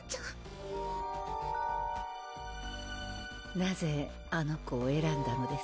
なぜあの子をえらんだのです？